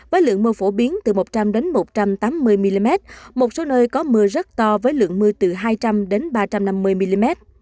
với lượng mưa phổ biến từ một trăm linh một trăm tám mươi mm một số nơi có mưa rất to với lượng mưa từ hai trăm linh đến ba trăm năm mươi mm